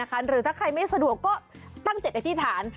หรือถ้าใครไม่สะดวกก็ตั้งจิตอธิษฐาน